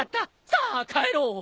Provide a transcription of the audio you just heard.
さあ帰ろう！